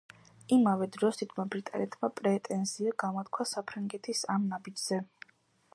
იმავე დროს დიდმა ბრიტანეთმა პრეტენზია გამოთქვა საფრანგეთის ამ ნაბიჯზე.